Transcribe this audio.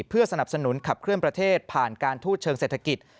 เพื่อสนับสนุนขับเคลื่อนประเทศผ่านการทูตเชิงเศรษฐกิจ